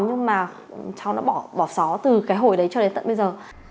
nhưng mà cháu đã bỏ xó từ cái hồi đấy cho đến tận bây giờ